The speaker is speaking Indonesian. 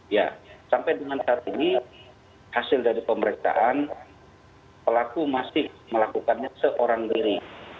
ya sampai dengan saat ini hasil dari pemeriksaan pelaku masih melakukannya seorang diri